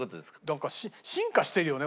なんか進化してるよね。